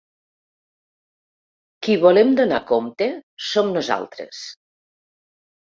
Qui volem donar compte som nosaltres.